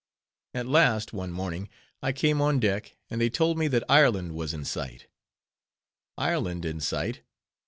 At last, one morning I came on deck, and they told me that Ireland was in sight. Ireland in sight!